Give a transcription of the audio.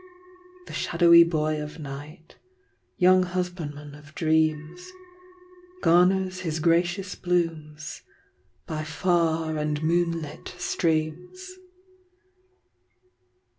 The shadowy boy of night, Young husbandman of dreams, Garners his gracious blooms By far and moonlit streams.